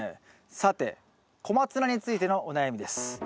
さてコマツナについてのお悩みです。え？